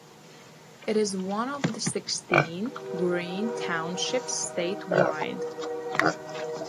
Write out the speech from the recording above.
It is one of sixteen Green Townships statewide.